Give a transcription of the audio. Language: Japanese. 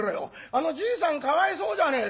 あのじいさんかわいそうじゃねえか」。